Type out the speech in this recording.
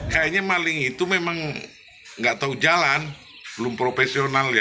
kayaknya maling itu memang nggak tahu jalan belum profesional ya